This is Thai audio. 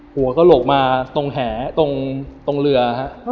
หัวกระโหลกมาตรงแหตรงเรือฮะ